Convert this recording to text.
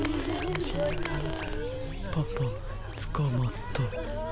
パパつかまった。